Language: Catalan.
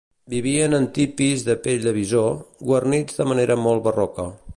Vivien en tipis de pell de bisó, guarnits de manera molt barroca.